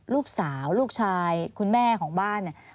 ลูกสาวลูกชายคุณแม่ของบ้านเนี่ย